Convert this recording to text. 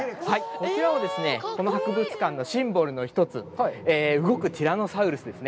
こちらはこの博物館のシンボルの一つ、動くティラノサウルスですね。